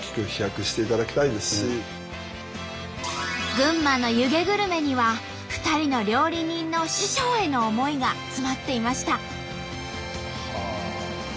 群馬の湯気グルメには２人の料理人の師匠への思いが詰まっていました。